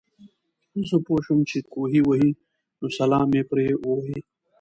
زۀ پوهه شوم چې کوهے وهي نو سلام مو پرې ووې